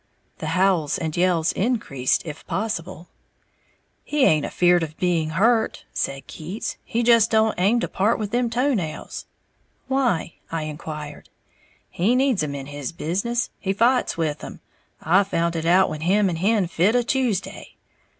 The howls and yells increased if possible. "He haint afeared of being hurt," said Keats; "he just don't aim to part with them toe nails." "Why?" I inquired. "He needs 'em in his business. He fights with 'em. I found it out when him and Hen fit a Tuesday.